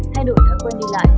thay đổi thái quân đi lại